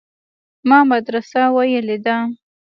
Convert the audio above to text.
ما مدرسه ويلې ده.